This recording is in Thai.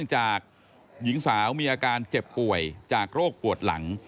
จากหญิงสาวมีอาการเจ็บป่วยจากโรคปวดหลัง